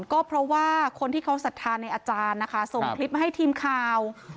ก็เพราะว่าคนที่เขาศรัทธาในอาจารย์นะคะส่งคลิปมาให้ทีมข่าว